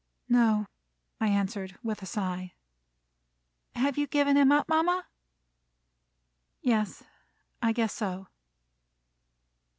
"No," I answered, with a sigh. "Have you given him up, mama?" "Yes, I guess so."